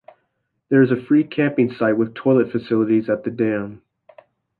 There is a free camping site with toilet facilities at the dam.